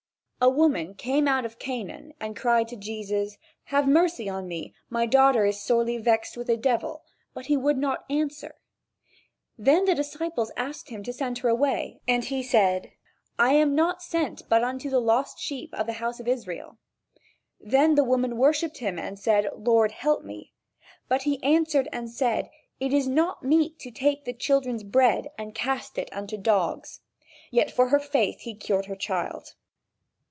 A woman came out of Canaan and cried to Jesus: "Have mercy on me, my daughter is sorely vexed with a devil" but he would not answer. Then the disciples asked him to send her away, and he said: "I am not sent but unto the lost sheep of the house of Israel." Then the woman worshiped him and said: "Lord help me." But he answered and said: "It is not meet to take the children's bread and cast it unto dogs." Yet for her faith he cured her child.